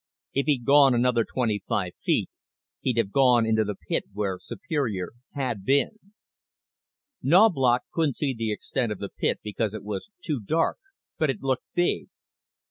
If he'd gone another twenty five feet he'd have gone into the pit where Superior had been. Knaubloch couldn't see the extent of the pit because it was too dark, but it looked big.